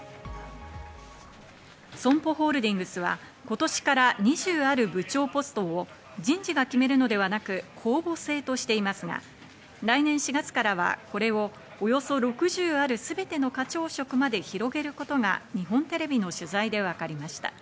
ＳＯＭＰＯホールディングスは、今年から２０ある部長ポストを人事が決めるのではなく、公募制としていますが、来年４月からはこれをおよそ６０ある全ての課長職まで広げることが日本テレビの取材でわかりました。